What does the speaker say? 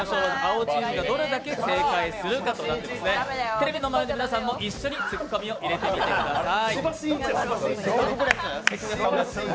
テレビの前の皆さんも一緒にツッコミを入れてください。